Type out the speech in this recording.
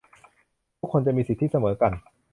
ทุกคนจะมีสิทธิเสมอกัน